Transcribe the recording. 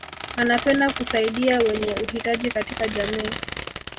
anapenda kusaidia wenye uhitaji katika jamii